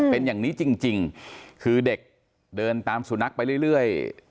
เป็นอย่างนี้จริงคือเด็กเดินตามสุนัขไปเรื่อย